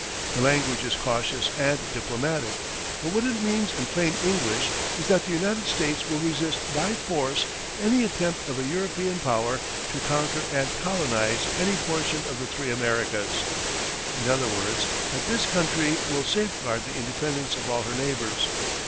The language is cautious and diplomatic, but what it means in plain English is that the United States will resist by force any attempt of a European power to conquer and colonize any portion of the three Americas in other words, that this country will safeguard the independence of all her neighbors.